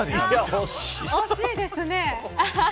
惜しいですね。